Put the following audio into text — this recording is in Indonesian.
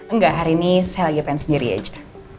nggak hari ini saya lagi pengen sendiri aja